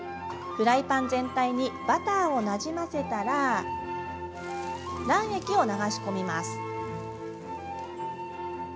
フライパン全体にバターをなじませたら卵液を流し込みます。